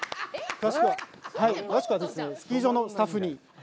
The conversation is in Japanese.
詳しくはスキー場のスタッフに。